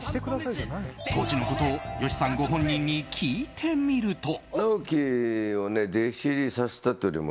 当時のことを吉さんご本人に聞いてみると。